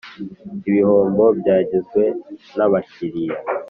ibihombo byagizwe n abakiliya